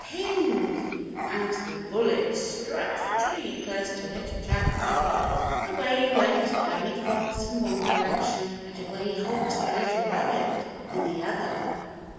Ping! and the bullet struck the tree close to Little Jack Rabbit. Away went Danny Fox in one direction, and away hopped the little rabbit in the other.